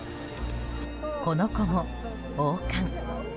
この子も王冠。